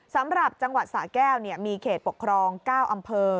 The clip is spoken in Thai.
สำหรับจังหวัดสะแก้วมีเขตปกครอง๙อำเภอ